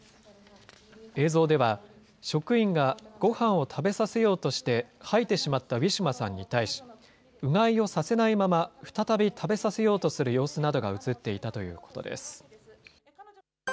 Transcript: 映像では、職員がごはんを食べさせようとして、吐いてしまったウィシュマさんに対し、うがいをさせないまま、再び食べさせようとする様子などが写っていたということです。